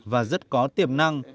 và rất có tiềm năng